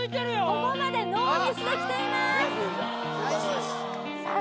ここまでノーミスできていますさあ